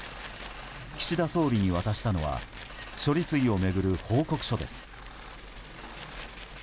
岸田総理に渡したのは処理水を巡る報告書です。